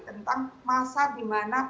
tentang masa dimana